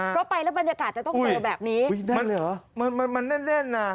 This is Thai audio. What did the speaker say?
เพราะไปแล้วบรรยากาศจะต้องเกิดแบบนี้อุ๊ยมันเหรอมันเล่นน่ะ